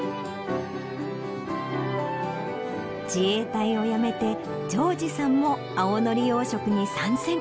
自衛隊を辞めて丈二さんも青のり養殖に参戦。